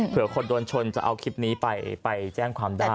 เพื่อคนโดนชนจะเอาคลิปนี้ไปแจ้งความได้